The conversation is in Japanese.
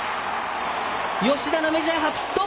吉田のメジャー初ヒット。